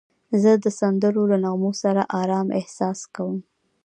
زه د سندرو له نغمو سره آرام احساس کوم.